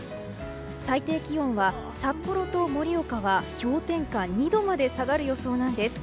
最低気温は札幌と盛岡は氷点下２度まで下がる予想なんです。